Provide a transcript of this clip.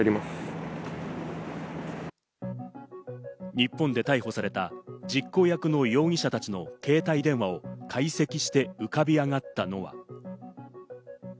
日本で逮捕された実行役の容疑者達の携帯電話を解析して浮かび上がったのは。